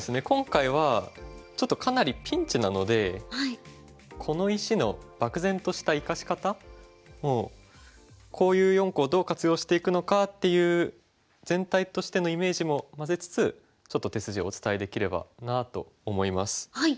今回はちょっとかなりピンチなのでこの石の漠然とした生かし方こういう４個をどう活用していくのかっていう全体としてのイメージも混ぜつつちょっと手筋をお伝えできればなと思います。